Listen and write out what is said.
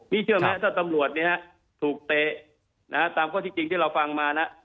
นี่เชื่อไหมถ้าตำรวจถูกเตะตามข้อที่จริงที่เราฟังมานะ